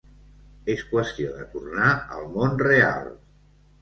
És qüestió de tornar al món real.